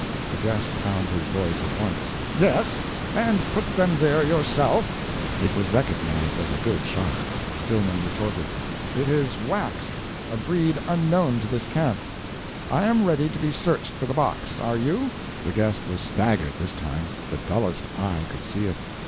The guest found his voice at once. "Yes and put them there yourself!" It was recognized a good shot. Stillman retorted. "It is wax a breed unknown to this camp. I am ready to be searched for the box. Are you?" The guest was staggered this time the dullest eye could see it.